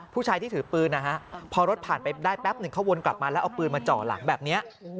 ผู้ชายที่ถือปืนนะฮะพอรถผ่านไปได้แป๊บหนึ่งเขาวนกลับมาแล้วเอาปืนมาจ่อหลังแบบนี้